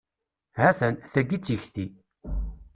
Hattan, tayi d tikti.